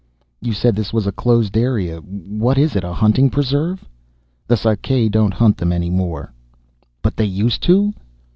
"You said this was a closed area. What is it, a hunting preserve?" "The Sakae don't hunt them any more." "But they used to?"